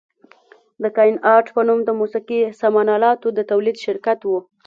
د کاین ارټ په نوم د موسقي سامان الاتو د تولید شرکت و.